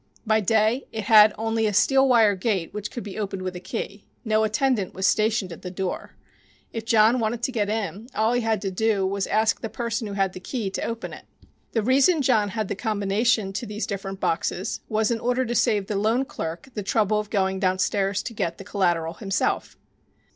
By day it had only a steel wire gate which could be opened with a key. No attendant was stationed at the door. If John wanted to get in, all he had to do was to ask the person who had the key to open it. The reason John had the combination to these different boxes was in order to save the loan clerk the trouble of going downstairs to get the collateral himself.